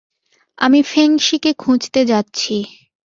আমি ফেং-শিকে খুঁজতে যাচ্ছি।